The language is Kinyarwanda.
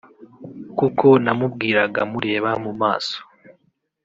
kuko namubwiraga mureba mu maso